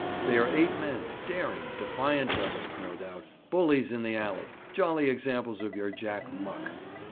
'They are eight men, daring, defiant devils, no doubt, bullies in the alley, jolly examples of your Jack Muck.